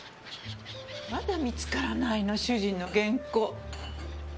まだ見つからないの主人の原稿。